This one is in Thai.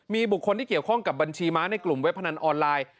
มีบุคคลที่เกี่ยวข้องกับบัญชีม้าในกลุ่มเว็บพนันออนไลน์